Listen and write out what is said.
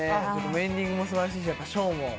エンディングもすばらしいショーも。